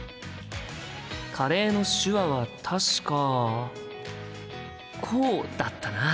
カレーの手話は確かこうだったな。